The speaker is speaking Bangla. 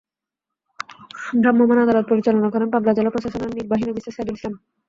ভ্রাম্যমাণ আদালত পরিচালনা করেন পাবনা জেলা প্রশাসনের নির্বাহী ম্যাজিস্ট্রেট সাইদুল ইসলাম।